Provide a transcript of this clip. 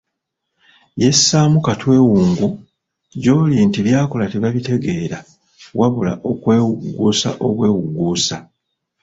Yessaamu "Katwewungu" gyoli nti by'akola tebabitegeera wabula okwewugguusa obwewugguusa.